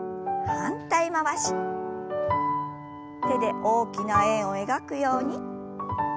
手で大きな円を描くように。